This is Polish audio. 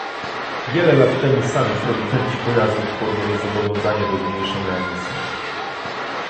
Wiele lat temu sami producenci pojazdów podjęli zobowiązanie do zmniejszenia emisji